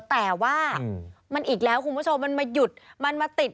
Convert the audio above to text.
แต่ว่ามันอีกแล้วคุณผู้ชมมันมาหยุดมันมาติด